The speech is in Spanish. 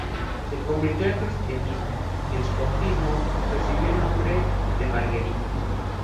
Se convirtió al cristianismo; y, en su bautismo, recibió el nombre de Marguerite.